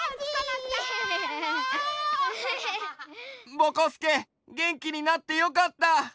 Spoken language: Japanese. ぼこすけげんきになってよかった。